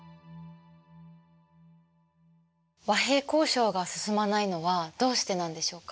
和平交渉が進まないのはどうしてなんでしょうか？